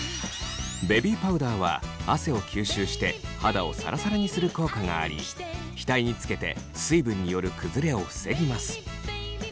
ベビーパウダーは汗を吸収して肌をさらさらにする効果があり額につけて水分による崩れを防ぎます。